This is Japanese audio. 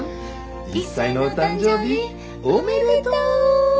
１歳のお誕生日おめでとう！